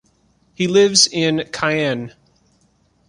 He lives in Caen.